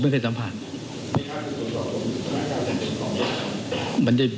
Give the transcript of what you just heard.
ผมไม่เคยสัมผัสเขานะผมไม่เคยสัมผัส